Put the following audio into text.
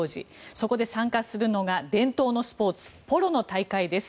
そこで参加するのが伝統のスポーツ、ポロの大会です。